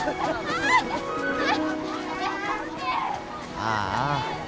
ああ。